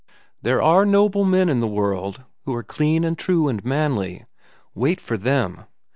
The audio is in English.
There are noble men in the world who are clean and true and manly. Wait for them.